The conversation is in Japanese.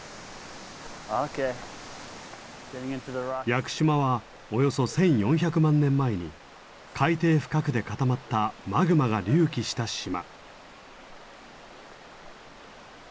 屋久島はおよそ１，４００万年前に海底深くで固まったマグマが隆起した島。